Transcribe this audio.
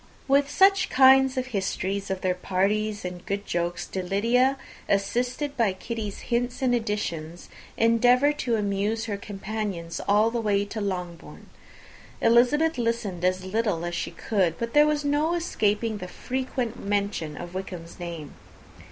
With such kind of histories of their parties and good jokes did Lydia, assisted by Kitty's hints and additions, endeavour to amuse her companions all the way to Longbourn. Elizabeth listened as little as she could, but there was no escaping the frequent mention of Wickham's name.